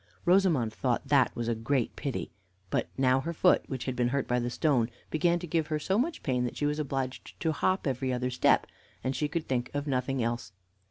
Rosamond thought that was a great pity. But now her foot, which had been hurt by the stone, began to give her so much pain that she was obliged to hop every other step, and she could think of nothing else.